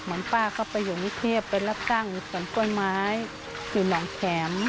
เหมือนป้าเขาไปอยู่มุมเทพไปรับตั้งอยู่สวนกล้วยไม้อยู่หล่องแข็ม